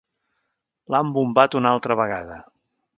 L'han bombat una altra vegada.